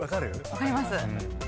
分かります。